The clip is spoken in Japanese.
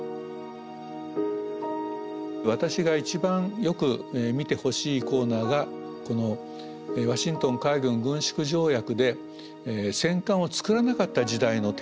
私が一番よく見てほしいコーナーがこのワシントン海軍軍縮条約で戦艦を造らなかった時代の展示です。